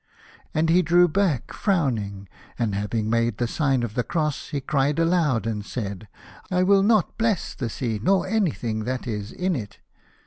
And he drew back frowning, and having made the sign of the cross, he cried aloud and said, " I will not bless the sea nor anything that is in it.